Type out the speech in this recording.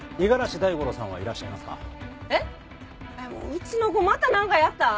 うちの子またなんかやった？